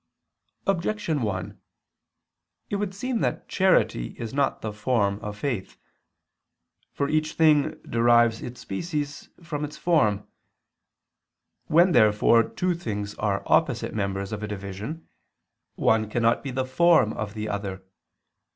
Objection 1: It would seem that charity is not the form of faith. For each thing derives its species from its form. When therefore two things are opposite members of a division, one cannot be the form of the other.